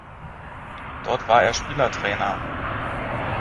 Dort war er Spielertrainer.